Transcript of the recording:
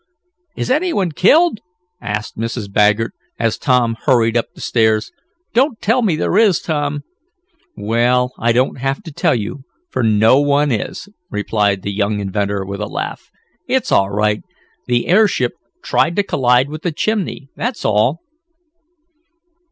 "Is anyone killed?" asked Mrs. Baggert, as Tom hurried up the stairs. "Don't tell me there is, Tom!" "Well, I don't have to tell you, for no one is," replied the young inventor with a laugh. "It's all right. The airship tried to collide with the chimney, that's all."